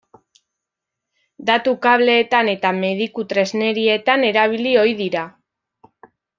Datu-kableetan eta mediku-tresnerietan erabili ohi dira.